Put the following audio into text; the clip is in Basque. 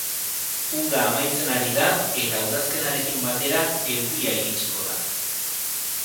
Uda amaitzen ari da, eta udazkenarekin batera euria iritsiko da.